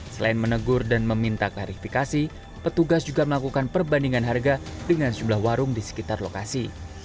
selain menegur dan meminta klarifikasi petugas juga melakukan perbandingan harga dengan sejumlah warung di sekitar lokasi